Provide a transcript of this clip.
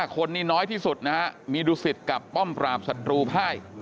๕คนนี้น้อยที่สุดมีดุสิทธิ์กับป้อมปราบสัตว์ดูพ่าย